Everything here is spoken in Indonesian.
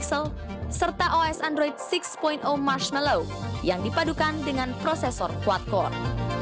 serta os android enam marshmallow yang dipadukan dengan prosesor quad core